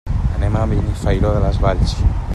Anem a Benifairó de les Valls.